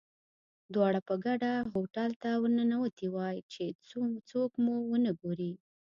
دواړه په ګډه هوټل ته ورننوتي وای، چې څوک مو ونه ګوري.